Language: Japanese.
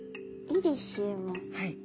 はい。